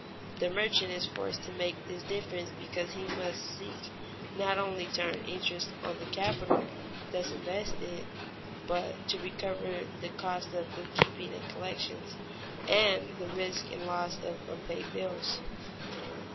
The merchant is forced to make this difference because he must seek not only to earn interest on the capital thus invested, but to recover the costs of bookkeeping and collections, and the risk and loss of unpaid bills.